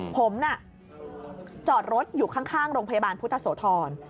ผมน่ะจอดรถอยู่ข้างโรงพยาบาลพุทธโสธร